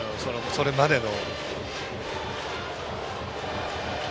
それまでの。